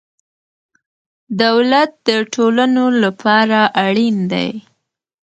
دولت د ټولنو لپاره اړین دی.